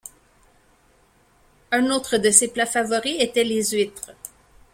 Un autre de ses plats favoris était les huîtres.